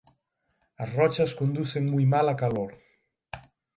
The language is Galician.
As rochas conducen moi mal a calor.